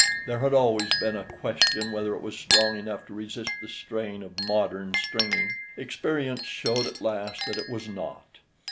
There had always been a question whether it was strong enough to resist the strain of modern stringing. Experience showed at last that it was not.